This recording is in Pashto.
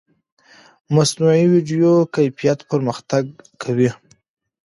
مصنوعي ویډیو کیفیت پرمختګ کوي.